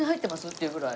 っていうぐらい。